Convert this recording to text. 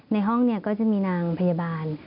ในห้องก็จะมีนางพยาบาล